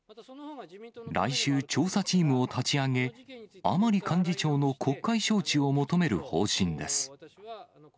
来週、調査チームを立ち上げ、甘利幹事長の国会招致を求める方針です。